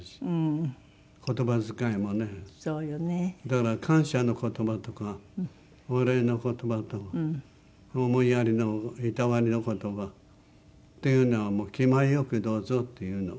だから感謝の言葉とかお礼の言葉と思いやりのいたわりの言葉っていうのは気前よくどうぞって言うの。